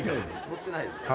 乗ってないですか？